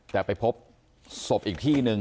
แต่ไปพบศพอีกที่หนึ่ง